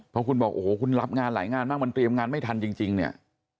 เพราะคุณบอกโอ้โหคุณรับงานหลายงานมากมันเตรียมงานไม่ทันจริงเนี่ย